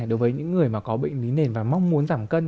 đối với những người mà có bệnh lý nền và mong muốn giảm cân